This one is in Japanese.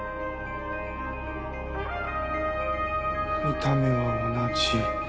見た目は同じ。